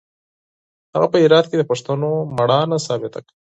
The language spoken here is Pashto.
هغه په هرات کې د پښتنو مېړانه ثابته کړه.